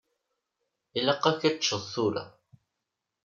Ilaq-ak ad teččeḍ tura.